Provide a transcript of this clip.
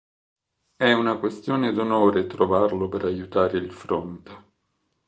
È una questione d'onore trovarlo per aiutare il fronte.